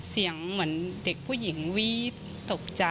เสียงเหมือนเด็กผู้หญิงวีดตกใจ